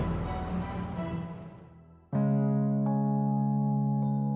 gak ada opa opanya